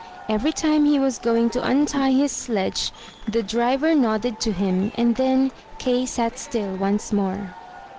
Every time he was going to untie his sledge the driver nodded to him, and then Kay sat still once more.